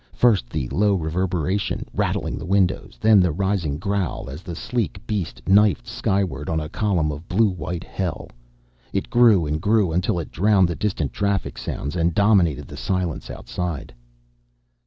First the low reverberation, rattling the windows, then the rising growl as the sleek beast knifed skyward on a column of blue white hell. It grew and grew until it drowned the distant traffic sounds and dominated the silence outside.